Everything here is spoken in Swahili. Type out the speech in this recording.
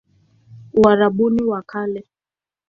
Uarabuni wa Kale